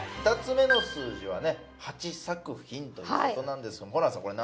２つ目の数字はね８作品ということなんですけどもホランさん